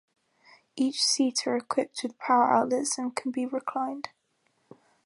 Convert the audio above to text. Each seat are equipped with power outlets and can be reclined.